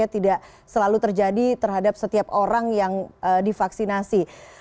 tidak selalu terjadi terhadap setiap orang yang divaksinasi